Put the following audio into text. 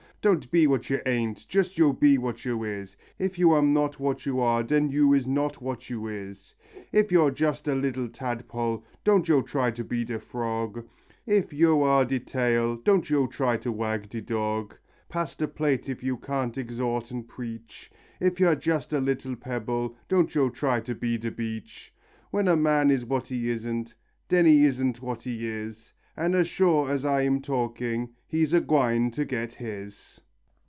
Don't be what yo ain't, jess yo be what yo is, If yo am not what yo are den yo is not what you is, If yo're jess a little tadpole, don't yo try to be de frog; If yo are de tail, don't yo try to wag de dawg. Pass de plate if yo can't exhawt and preach; If yo're jess a little pebble, don't yo try to be de beach; When a man is what he isn't, den he isn't what he is, An' as sure as I'm talking, he's a gwine to get his.